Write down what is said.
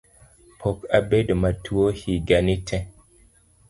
Pok abedo matuo yiga ni tee